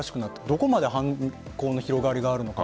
どこまで犯行の広がりがあるのか